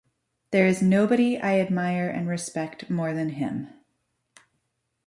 There is nobody I admire and respect more than him.